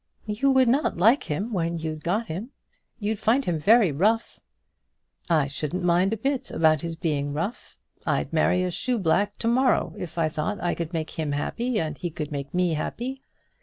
"You would not like him when you'd got him; you'd find him very rough." "I shouldn't mind a bit about his being rough. I'd marry a shoe black to morrow if I thought I could make him happy, and he could make me happy."